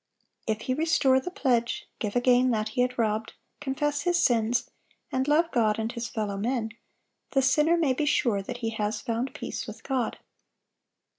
If he restore the pledge, give again that he had robbed, confess his sins, and love God and his fellow men, the sinner may be sure that he has found peace with God.